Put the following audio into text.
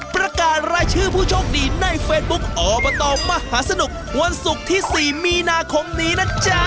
ประกาศรายชื่อผู้โชคดีในเฟซบุ๊คอบตมหาสนุกวันศุกร์ที่๔มีนาคมนี้นะจ๊ะ